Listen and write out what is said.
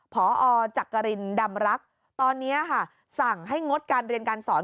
พอจักรินดำรักตอนนี้ค่ะสั่งให้งดการเรียนการสอน